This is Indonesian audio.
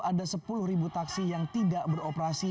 ada sepuluh ribu taksi yang tidak beroperasi